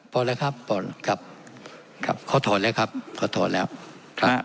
พอแล้วครับพอครับครับเขาถอนแล้วครับเขาถอนแล้วครับ